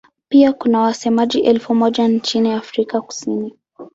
Pia kuna wasemaji elfu moja nchini Afrika Kusini.